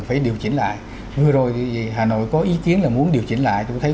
phải điều chỉnh lại vừa rồi thì hà nội có ý kiến là muốn điều chỉnh lại tôi thấy